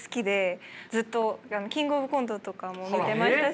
ずっと「キングオブコント」とかも見てましたし。